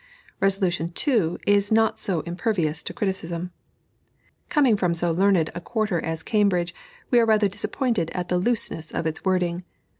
Resolution (2) is not so impervious to criticism. Coming from so learned a quarter as Cambridge, we are rather disappointed at the looseness of its wording.